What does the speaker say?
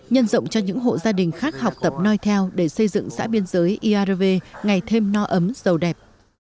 giúp dụng cho những hộ gia đình khác học tập noi theo để xây dựng xã biên giới iarve ngày thêm no ấm giàu đẹp